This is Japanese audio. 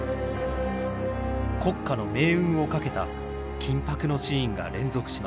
国家の命運を懸けた緊迫のシーンが連続します。